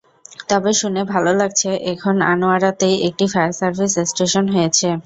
তবে শুনে ভালো লাগছে এখন আনোয়ারাতেই একটি ফায়ার সার্ভিস স্টেশন হয়েছে।